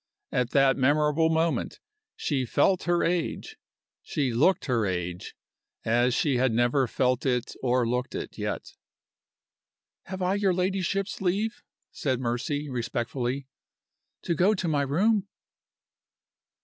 At that memorable moment she felt her age, she looked her age, as she had never felt it or looked it yet. "Have I your ladyship's leave," said Mercy, respectfully, "to go to my room?"